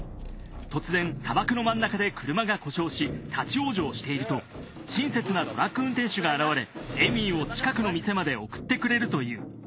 突然砂漠の真ん中で車が故障し立往生していると親切なトラック運転手が現れエミーを近くの店まで送ってくれるという。